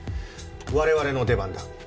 我々の出番だ。